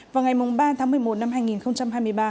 vào ngày ba tháng một mươi một năm hai nghìn một mươi chín